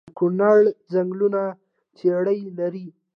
د کونړ ځنګلونه څیړۍ لري؟